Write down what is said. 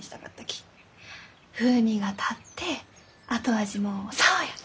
風味が立って後味も爽やか。